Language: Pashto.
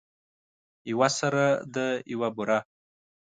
یوه سره ده یوه بوره.